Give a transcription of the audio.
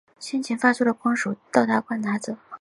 先前发出的光首先到达观察者。